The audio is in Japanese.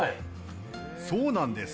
そうなんです。